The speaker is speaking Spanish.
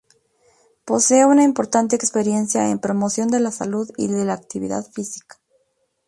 Posee una importante experiencia en promoción de la salud y de la actividad física.